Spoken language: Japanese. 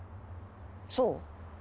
そう？